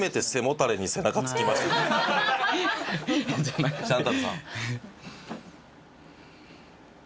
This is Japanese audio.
今シャンタヌさん。